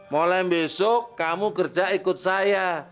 mulai besok kamu kerja ikut saya